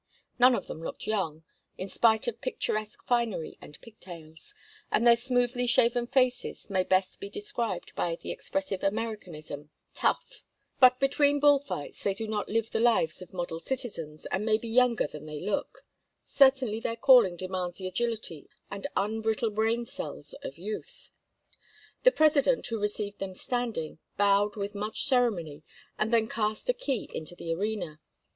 None of them looked young, in spite of picturesque finery and pigtails, and their smoothly shaven faces may best be described by the expressive Americanism "tough"; but between bull fights they do not live the lives of model citizens, and may be younger than they look; certainly their calling demands the agility and unbrittle brain cells of youth. The president, who received them standing, bowed with much ceremony and then cast a key into the arena.